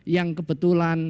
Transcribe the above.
yang kepentingan kita